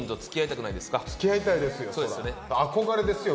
付き合いたいですよ。